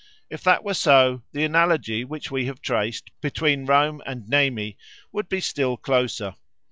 If that were so, the analogy which we have traced between Rome and Nemi would be still closer.